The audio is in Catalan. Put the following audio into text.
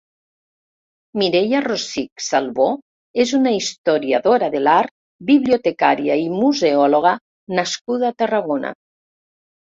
Mireia Rosich Salvó és una historiadora de l'art, bibliotecària i museòloga nascuda a Tarragona.